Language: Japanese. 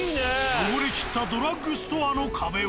汚れきったドラッグストアの壁は。